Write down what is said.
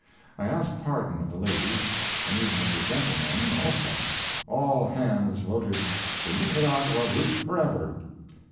I ask pardon of the ladies—and even of the gentlemen, also. All hands voted "the Nicaragua route forever!"